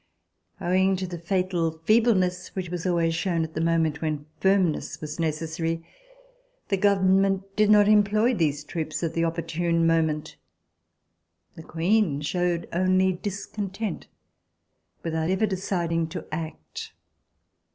Owing to the fatal feebleness which was al ways shown at the moment when firmness was necessary, the Government did not employ these troops at the opportune moment. The Queen showed only discontent without ever deciding to act.